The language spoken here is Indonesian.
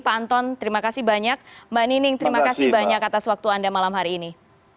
pak anton terima kasih banyak mbak nining terima kasih banyak atas waktu anda malam hari ini